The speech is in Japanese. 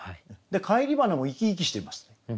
「返り花」も生き生きしていますね。